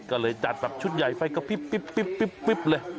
ก็เลยจัดแบบชุดใหญ่ไฟกระพริบเลย